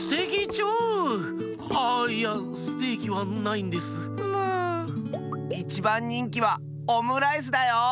いちばんにんきはオムライスだよ。